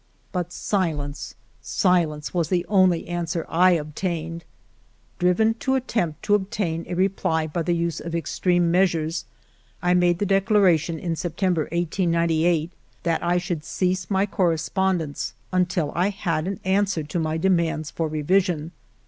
But silence, silence, was the only answer I obtained. Driven to attempt to obtain a reply by the use of extreme 28o FIVE YEARS OF MY LIFE measures, I made the declaration in September, 1898, that I should cease my correspondence until I had an answer to my demands for re vision.